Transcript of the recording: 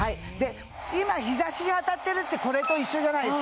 今日ざしが当たってるってこれと一緒じゃないですか？